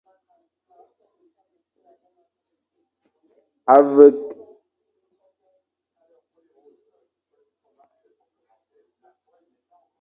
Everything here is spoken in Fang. A vek.